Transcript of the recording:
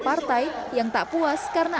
partai yang tak puas karena